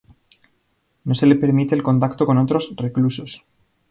No se le permite el contacto con otros reclusos.